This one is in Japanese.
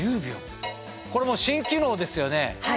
これもう新機能ですよね？